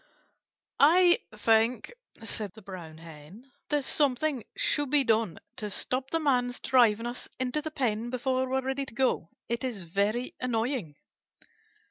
"I think," said the Brown Hen, "that something should be done to stop the Man's driving us into the pen before we are ready to go. It is very annoying."